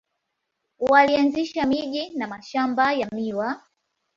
Walianzisha miji na mashamba ya miwa.